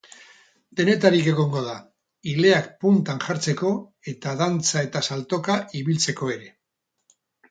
Denetarik egongo da, ileak puntan jartzeko eta dantza eta saltoka ibiltzeko ere!